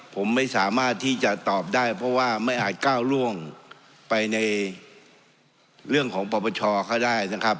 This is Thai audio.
ผมไม่สามารถที่จะตอบได้เพราะว่าไม่อาจก้าวล่วงไปในเรื่องของปรปชเขาได้นะครับ